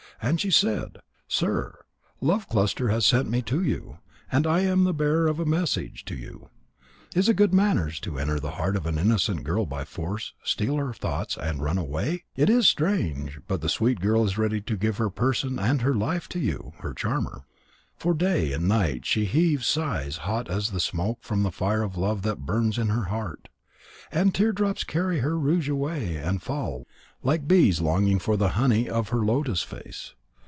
And she said: "Sir, Love cluster has sent me to you, and I am the bearer of a message to you. Is it good manners to enter the heart of an innocent girl by force, steal her thoughts, and run away? It is strange, but the sweet girl is ready to give her person and her life to you, her charmer. For day and night she heaves sighs hot as the smoke from the fire of love that burns in her heart. And teardrops carry her rouge away and fall, like bees longing for the honey of her lotus face.